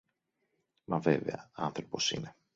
Μα βέβαια, άνθρωπος είναι!